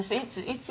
いつ？